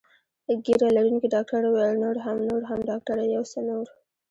ږیره لرونکي ډاکټر وویل: نور هم، نور هم، ډاکټره یو څه نور.